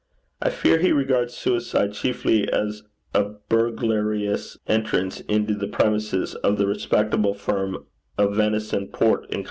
I fear he regards suicide chiefly as a burglarious entrance into the premises of the respectable firm of Vension, Port, & Co.'